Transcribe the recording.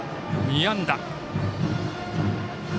２安打。